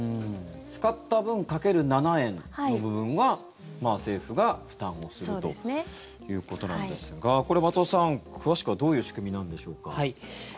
使った分掛ける７円の分が政府が負担をするということなんですが松尾さん、詳しくはどういう仕組みなんでしょうか。